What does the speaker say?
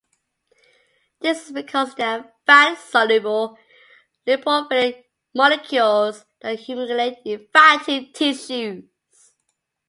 This is because they are fat-soluble, lipophilic molecules that accumulate in fatty tissues.